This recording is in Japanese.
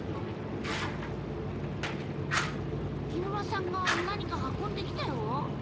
木村さんが何か運んできたよ。